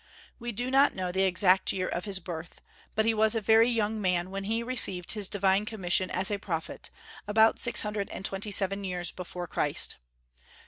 We do not know the exact year of his birth, but he was a very young man when he received his divine commission as a prophet, about six hundred and twenty seven years before Christ.